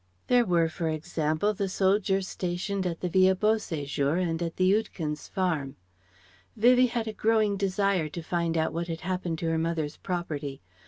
There were, for example, the soldiers stationed at the Villa Beau séjour and at the Oudekens' farm. Vivie had a growing desire to find out what had happened to her mother's property.